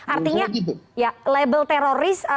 artinya label teroris